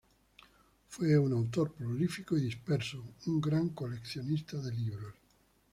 Fue un autor prolífico y disperso, un gran coleccionista de libros.